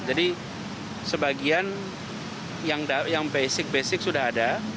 jadi sebagian yang basic basic sudah ada